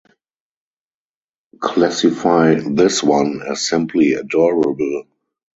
Classify this one as simply adorable.